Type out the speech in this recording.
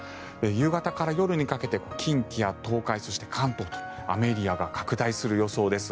夕方から夜にかけて近畿や東海、そして関東と雨エリアが拡大する予想です。